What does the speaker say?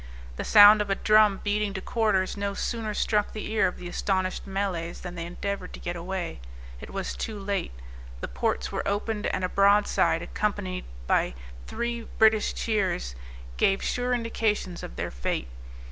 The sound of a drum beating to quarters no sooner struck the ear of the astonished Malays than they endeavored to get away: it was too late; the ports were opened, and a broadside, accompanied with three British cheers, gave sure indications of their fate.